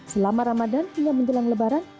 selama ramadan hingga menjelang lebaran